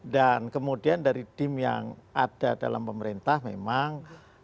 dan kemudian dari dim yang ada dalam pemerintah memang